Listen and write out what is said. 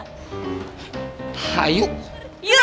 kita harus kempesin